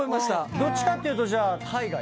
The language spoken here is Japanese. どっちかっていうとじゃあ海外の方ですか？